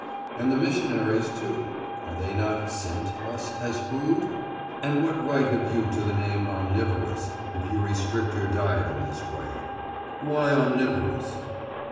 And the missionaries, too—are they not "sent" us as food? And what right have you to the name omnivorous, if you restrict your diet in this way? Why "omnivorous"?